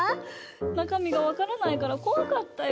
なかみがわからないから怖かったよ。